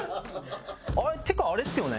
ってかあれっすよね？